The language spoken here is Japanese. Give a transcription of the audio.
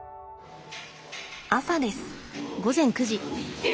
朝です。